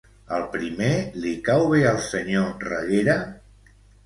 Al primer li cau bé el senyor Reguera?